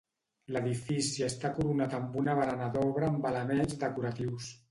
L'edifici està coronat amb una barana d'obra amb elements decoratius.